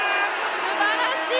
すばらしい！